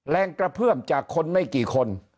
แรงกระเพื่อมจากคนไม่กี่คน